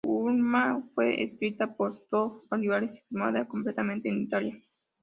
Uma fue escrita por Doug Olivares y filmada completamente en Italia.